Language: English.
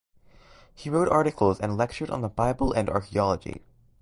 He wrote articles and lectured on the bible and archeology.